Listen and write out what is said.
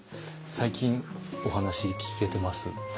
最近お話聞けてます？